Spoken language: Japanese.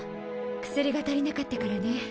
薬が足りなかったからね